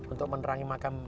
untuk menerangi makam